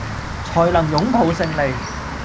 才能擁抱勝利